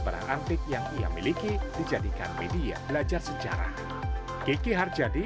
barang antik yang ia miliki dijadikan media belajar sejarah